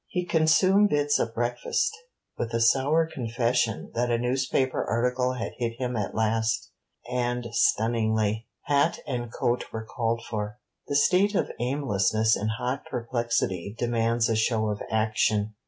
He consumed bits of breakfast, with a sour confession that a newspaper article had hit him at last, and stunningly. Hat and coat were called for. The state of aimlessness in hot perplexity demands a show of action.